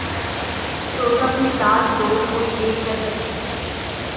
دوزخ میں ڈال دو‘ کوئی لے کر بہشت کو